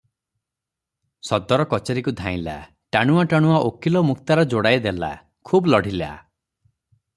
ସଦର କଚେରୀକୁ ଧାଇଁଲା, ଟାଣୁଆ ଟାଣୁଆ ଓକିଲ ମୁକ୍ତାର ଯୋଡ଼ାଏ ଦେଲା, ଖୁବ୍ ଲଢ଼ିଲା ।